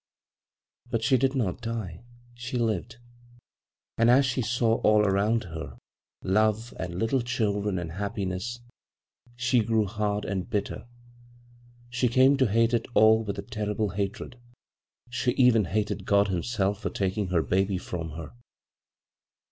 But she did not die — she lived ; and as she saw all around her 177 b, Google CROSS CURREhTTS love and Iktle children and happiness, she gfrew hard and bitter. She came to bate it all with a terrible hatred — she even hated God Himself for taking her baby irom her.